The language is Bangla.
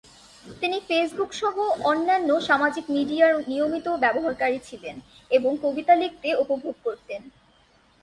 তিনি ফেসবুক সহ অন্যান্য সামাজিক মিডিয়ার নিয়মিত ব্যবহারকারী ছিলেন, এবং কবিতা লিখতে উপভোগ করতেন।